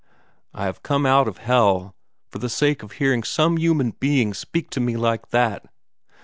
"I have come out of hell, for the sake of hearing some human being speak to me like that!"